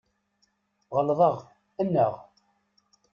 Ɣelḍeɣ, anaɣ?